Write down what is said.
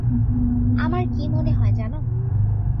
আমার কী মনে হয় জান?